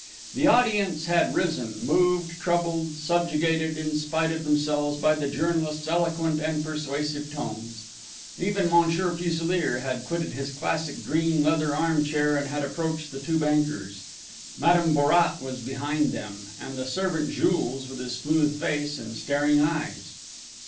The audience had risen, moved, troubled, subjugated, in spite of themselves, by the journalist's eloquent and persuasive tones. Even Monsieur Fuselier had quitted his classic green leather arm chair and had approached the two bankers: Madame Bourrat was behind them, and the servant, Jules, with his smooth face and staring eyes.